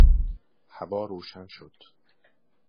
هوا روشن شد.